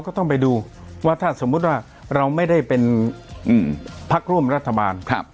ก็ต้องไปดูว่าถ้าสมมุติว่าเราไม่ได้เป็นพักร่วมรัฐบาล